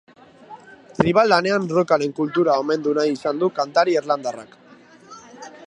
Tribal lanean rockaren kultura omendu nahi izan du kantari irlandarrak.